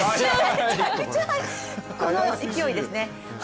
この勢いですね。